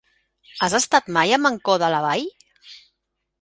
Has estat mai a Mancor de la Vall?